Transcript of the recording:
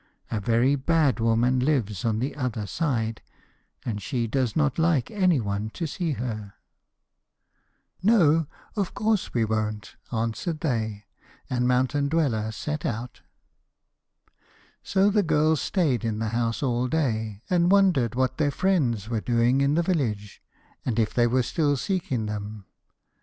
A very bad woman lives on the other side, and she does not like anyone to see her.' [Illustration: HOW THE GIRLS FOUND MOUNTAIN DWELLER] 'No; of course we won't,' answered they, and Mountain Dweller set out. So the girls stayed in the house all day, and wondered what their friends were doing in the village, and if they were still seeking them.